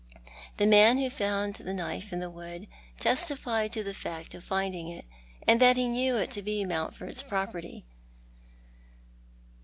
The man who found the knife in the wood testified to the fact of finding it, and that ho knew it to be Mountfovd's properly.